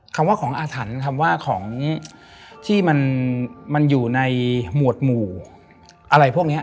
คำว่าของอาถรรพ์คำว่าของที่มันอยู่ในหมวดหมู่อะไรพวกนี้